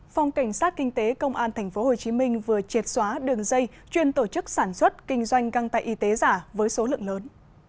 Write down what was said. phòng cảnh sát kinh tế công an tp hcm vừa triệt xóa đường dây chuyên tổ chức sản xuất kinh doanh găng tay y tế giả với số lượng lớn